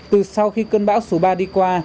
từ sau khi cơn bão số ba đi qua